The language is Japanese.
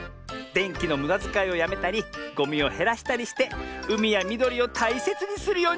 でんきのむだづかいをやめたりゴミをへらしたりしてうみやみどりをたいせつにするようにするのミズ。